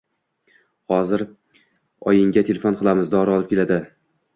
Hozir oyingga telefon qilamiz, dori olib keladi